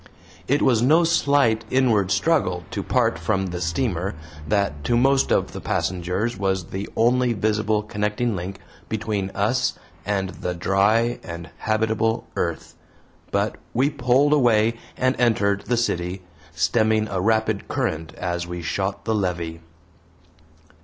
It was no slight inward struggle to part from the steamer that to most of the passengers was the only visible connecting link between us and the dry and habitable earth, but we pulled away and entered the city, stemming a rapid current as we shot the levee.